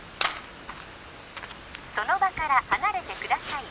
その場から離れてください